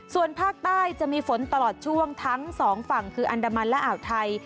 ส่วนภาคใต้จะมีฝนตลอดช่วงทั้งสองฝั่งคืออันดามันและอ่าวไทย